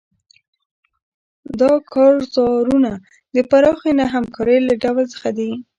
دا کارزارونه د پراخې نه همکارۍ له ډول څخه دي.